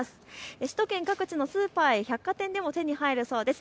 首都圏各地のスーパーや百貨店でも手に入るそうです。